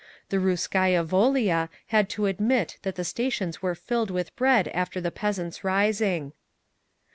The Russkaya Volia had to admit that the stations were filled with bread after the peasants' rising….